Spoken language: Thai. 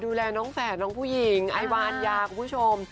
ดูแลน้องแฝดน้องผู้หญิงไอวานยาคุณผู้ชม